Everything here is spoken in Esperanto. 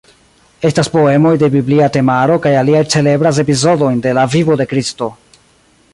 Estas poemoj de biblia temaro kaj aliaj celebras epizodojn de la vivo de Kristo.